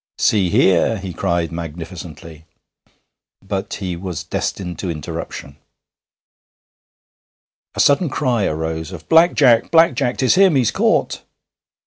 'See here!' he cried magnificently, but he was destined to interruption. A sudden cry arose of 'Black Jack! Black Jack! 'Tis him! He's caught!'